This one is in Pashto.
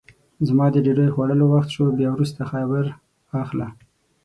زما د ډوډۍ خوړلو وخت سو بیا وروسته خبر اخله!